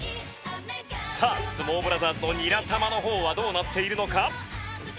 さあ相撲ブラザーズのニラ玉の方はどうなっているのか？